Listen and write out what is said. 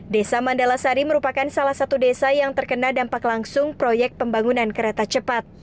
desa mandala sari merupakan salah satu desa yang terkena dampak langsung proyek pembangunan kereta cepat